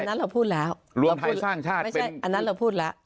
นั้นเราพูดแล้วรวมไทยสร้างชาติไม่ใช่อันนั้นเราพูดแล้ว